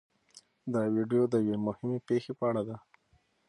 دا ویډیو د یوې مهمې پېښې په اړه ده.